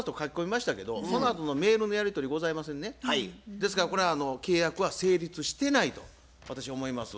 ですからこれは契約は成立してないと私思います。